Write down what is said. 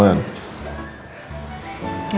aku mau tidur ya mas